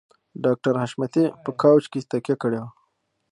ډاکټر حشمتي په کاوچ کې تکيه کړې وه